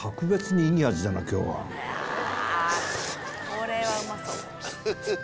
これはうまそう！